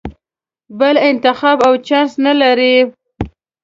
بل انتخاب او چانس نه لرې.